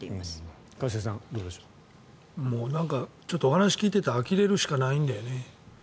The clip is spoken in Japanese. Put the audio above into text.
ちょっとお話を聞いていてあきれるしかないんだよね。